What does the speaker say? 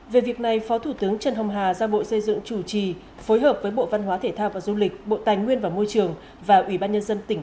về việc này phó thủ tướng trần hồng hà giao bộ xây dựng chủ trì phối hợp với bộ văn hóa thể thao và du lịch